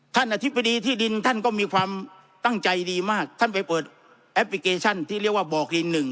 อธิบดีที่ดินท่านก็มีความตั้งใจดีมากท่านไปเปิดแอปพลิเคชันที่เรียกว่าบอกดินหนึ่ง